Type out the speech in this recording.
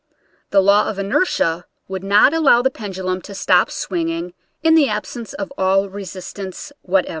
The law of inertia would not allow the pendulum to stop swinging in the absence of all resistance whatever.